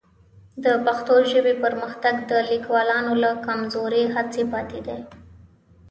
د پښتو ژبې پرمختګ د لیکوالانو له کمزورې هڅې پاتې دی.